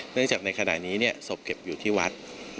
เนื่องจากในขณะนี้ศพเก็บอยู่ที่วัด